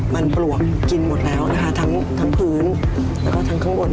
มันปลวกกินหมดแล้วนะคะทั้งพื้นแล้วก็ทั้งข้างบน